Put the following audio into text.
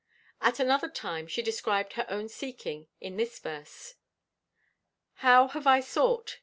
At another time she described her own seeking in this verse: How have I sought!